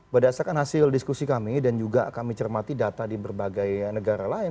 berdasarkan hasil diskusi kami dan juga kami cermati data di berbagai negara lain